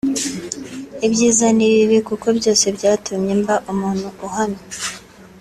ibyiza n’ibibi kuko byose byatumye mba umuntu uhamye